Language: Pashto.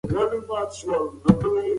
موږ به په راتلونکي کې نوي حسابونه جوړ کړو.